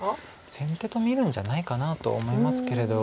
先手と見るんじゃないかなと思いますけれど。